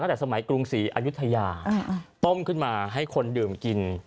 ตั้งแต่สมัยกรุงศรีอายุทยาต้มขึ้นมาให้คนดื่มกิน